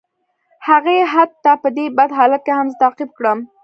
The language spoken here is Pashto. هغه حتی په دې بد حالت کې هم زه تعقیب کړم